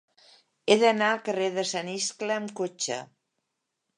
He d'anar al carrer de Sant Iscle amb cotxe.